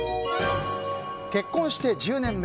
結婚して１０年目。